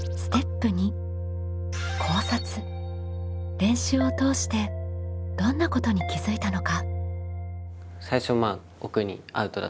練習を通してどんなことに気づいたのか？